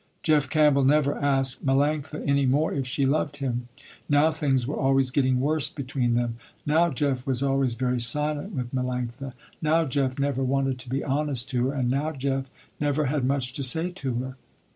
Jeff Campbell never asked Melanctha any more if she loved him. Now things were always getting worse between them. Now Jeff was always very silent with Melanctha. Now Jeff never wanted to be honest to her, and now Jeff never had much to say to her.